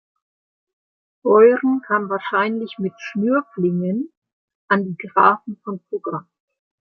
Beuren kam wahrscheinlich mit Schnürpflingen an die Grafen von Fugger.